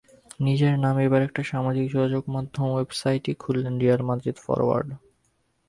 নিজের নামে এবার একটা সামাজিক যোগাযোগমাধ্যম ওয়েবসাইটই খুললেন রিয়াল মাদ্রিদ ফরোয়ার্ড।